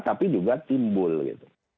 tapi juga timbul gitu